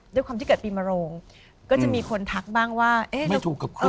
ด้วยความที่เกิดปีมโรงก็จะมีคนทักบ้างว่าเอ๊ะไม่ถูกกับใคร